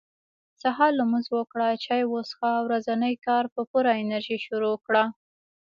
سهار لمونځ وکړه چاي وڅښه ورځني کار په پوره انرژي شروع کړه